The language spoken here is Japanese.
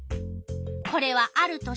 これはある年